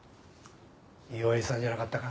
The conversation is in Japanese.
いい親父さんじゃなかったか？